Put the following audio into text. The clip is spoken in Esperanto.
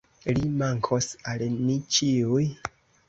Li mankos al ni ĉiuj.